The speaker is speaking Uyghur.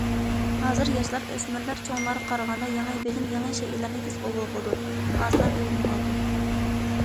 ھازىر ياشلار، ئۆسمۈرلەر چوڭلارغا قارىغاندا يېڭى بىلىم، يېڭى شەيئىلەرنى تېز قوبۇل قىلىدۇ، ئاسان ئۆگىنىۋالىدۇ.